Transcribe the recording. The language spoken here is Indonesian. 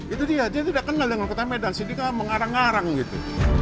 itu dia dia tidak kenal dengan kota medan sindika mengarang arang gitu